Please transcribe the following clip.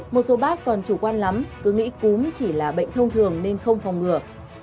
một số bác còn chủ quan lắm cứ nghĩ cúm chỉ là bệnh thông thường nên không phòng ngừa